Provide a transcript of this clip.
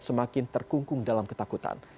semakin terkungkung dalam ketakutan